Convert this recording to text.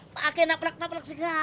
pakai naflek naflek segala